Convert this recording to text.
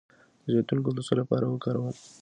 د زیتون ګل د څه لپاره وکاروم؟